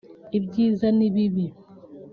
ibyiza n’ibibi